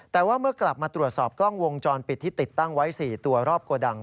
แต่ว่าเมื่อกลับมาตรวจสอบกล้องวงจรปิดที่ติดตั้งไว้๔ตัวรอบโกดัง